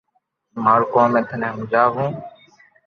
مارو ڪوم ھي ٿني ھمجاو